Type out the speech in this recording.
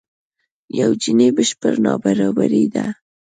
یو جیني بشپړ نابرابري ده.